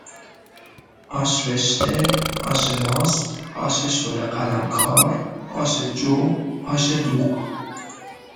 آش رشته آش ماست آش شله قلمکار آش جو آش دوغ